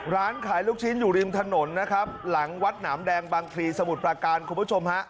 ร้านขายลูกชิ้นอยู่ริมถนนนะครับหลังวัดหนามแดงบางพลีสมุทรประการคุณผู้ชมฮะ